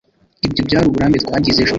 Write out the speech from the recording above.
ibyo byari uburambe twagize ejo